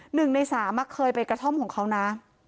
หนึ่งในสามเคยไปกระท่อมของเขานะ